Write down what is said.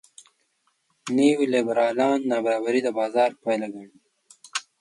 نیولېبرالان نابرابري د بازار پایله ګڼي.